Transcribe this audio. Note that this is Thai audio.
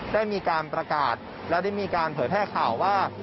ได้มีการประกาศและได้มีการเผยแพร่ข่าวว่า